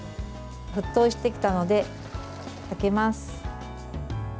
沸騰してきたので、あけます。